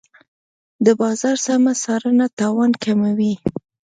د بازار سمه څارنه تاوان کموي.